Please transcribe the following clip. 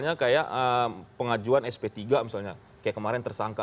misalnya kayak pengajuan sp tiga misalnya kayak kemarin tersangka